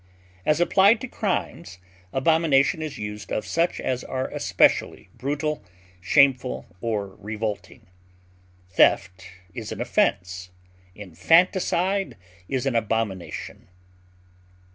As applied to crimes, abomination is used of such as are especially brutal, shameful, or revolting; theft is an offense; infanticide is an abomination.